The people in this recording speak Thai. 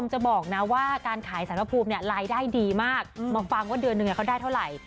ทับเกิดว่าศาสนพระพรูมนี่